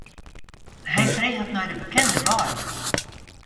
Hy freget nei de bekende wei.